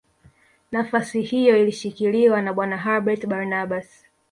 Nafasi hiyo ilishikiliwa na Bwana Herbert Barnabas